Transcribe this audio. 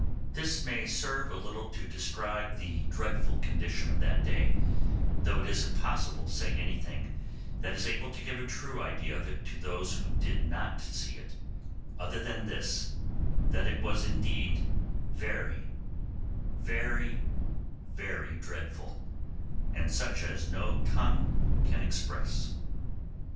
This may serve a little to describe the dreadful condition of that day, though it is impossible to say anything that is able to give a true idea of it to those who did not see it, other than this, that it was indeed very, very, very dreadful, and such as no tongue can express.